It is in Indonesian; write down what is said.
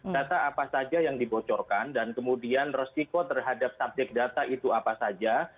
data apa saja yang dibocorkan dan kemudian resiko terhadap subjek data itu apa saja